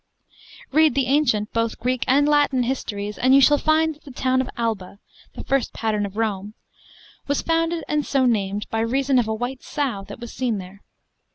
Read the ancient, both Greek and Latin histories, and you shall find that the town of Alba (the first pattern of Rome) was founded and so named by reason of a white sow that was seen there.